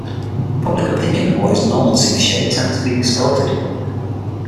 Public opinion of what is normal tooth shade tends to be distorted.